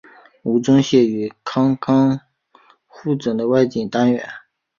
吴宗宪与康康互整的外景单元。